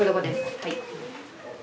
はい。